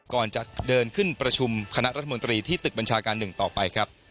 ก่อนจะเดินขึ้นประชุมคณะรัฐมนตรีที่ตึกบัญชาการ๑ต่อไปครับ